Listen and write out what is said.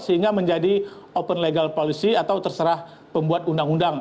sehingga menjadi open legal policy atau terserah pembuat undang undang